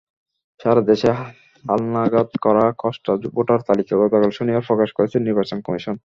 সারা দেশে হালনাগাদ করা খসড়া ভোটার তালিকা গতকাল শনিবার প্রকাশ করেছে নির্বাচন কমিশন।